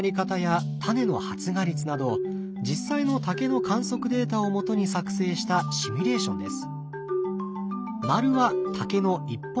実際の竹の観測データをもとに作成したシミュレーションです。